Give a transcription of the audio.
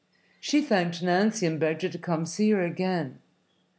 She thanked Nancy and begged her to come to see her again.